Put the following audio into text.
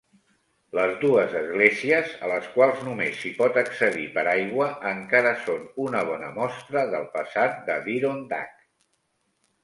Les dues esglésies, a les quals només s'hi pot accedir per aigua, encara són una bona mostra del passat d'Adirondack.